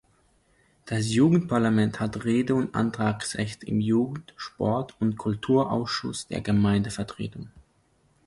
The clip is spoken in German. Das Jugendparlament hat Rede- und Antragsrecht im Jugend-, Sport- und Kulturausschuss der Gemeindevertretung.